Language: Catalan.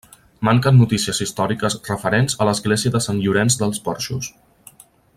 Manquen notícies històriques referents a l'església de Sant Llorenç dels Porxos.